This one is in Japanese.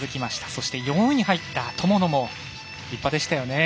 そして、４位に入った友野も立派でしたよね。